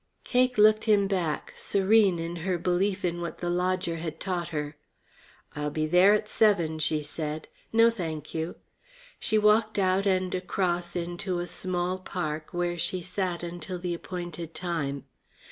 Cake looked him back, serene in her belief in what the lodger had taught her. "I'll be there at seven," she said. "No, thank you." She walked out and across into a small park where she sat until the appointed time.